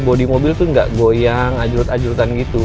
bodi mobil tuh gak goyang ajrut ajrutan gitu